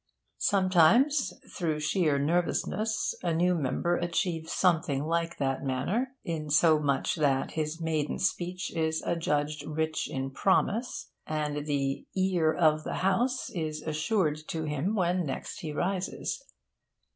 Sometimes, through sheer nervousness, a new member achieves something like that manner; insomuch that his maiden speech is adjudged rich in promise, and 'the ear of the House' is assured to him when next he rises.